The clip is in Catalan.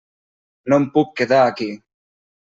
No em puc quedar aquí.